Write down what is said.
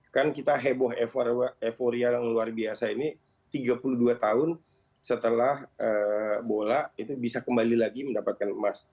kan kita heboh euforia yang luar biasa ini tiga puluh dua tahun setelah bola itu bisa kembali lagi mendapatkan emas